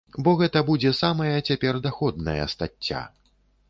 Бо гэта будзе самая цяпер даходная стацця.